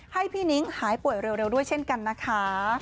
ให้พี่นิ้งหายป่วยเร็วด้วยเช่นกันนะคะ